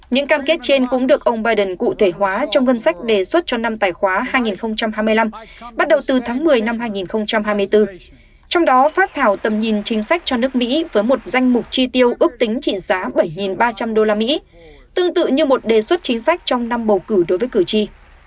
những cam kết trên cũng được ông biden cụ thể hóa trong ngân sách đề xuất cho năm tài khoá hai nghìn hai mươi năm bắt đầu từ tháng một mươi năm hai nghìn hai mươi bốn trong đó phát thảo tầm nhìn chính sách cho nước mỹ với một danh mục chi tiêu ước tính trị giá bảy ba trăm linh usd tương tự như một đề xuất chính sách trong năm bầu cử đối với cử tri